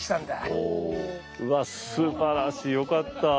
うわすばらしいよかった。